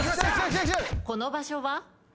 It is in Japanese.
この場所は？